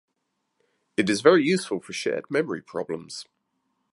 It is very useful for shared memory problems.